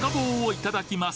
いただきます。